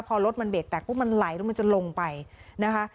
พอรถมันเบรกแตกปุ๊บมันไหลแล้วมันจะลงไปนะคะ